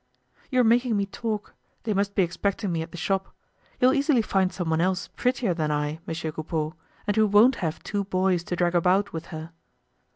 "You're making me talk; they must be expecting me at the shop. You'll easily find someone else prettier than I, Monsieur Coupeau, and who won't have two boys to drag about with her."